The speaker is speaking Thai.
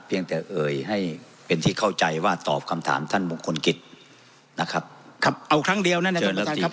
ยังแต่เอ่ยให้เป็นที่เข้าใจว่าตอบคำถามท่านมงคลกิจนะครับครับเอาครั้งเดียวนั่นนะครับเชิญครับ